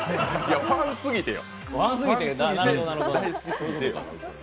ファンすぎてよ。